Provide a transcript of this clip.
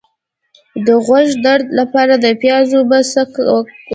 د غوږ درد لپاره د پیاز اوبه څه کړم؟